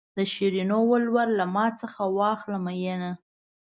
د شیرینو ولور له ما څخه واخله مینه.